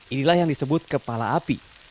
inilah yang disebut kepala api